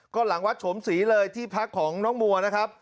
ก็หลังวัดโฉมศรีเลยที่พักของน้องมัวนะครับ